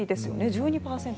１２％。